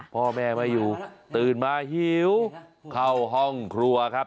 พ่อแม่ไม่อยู่ตื่นมาหิวเข้าห้องครัวครับ